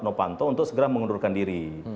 novanto untuk segera mengundurkan diri